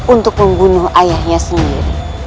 untuk membunuh ayahnya sendiri